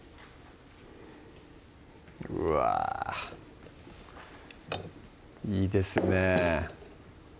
うわいいですね